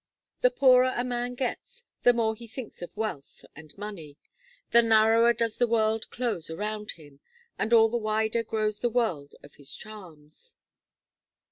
The poorer a man gets, the more he thinks of wealth and money; the narrower does the world close around him, and all the wider grows the world of his charms.